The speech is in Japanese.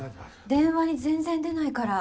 電話に全然出ないから。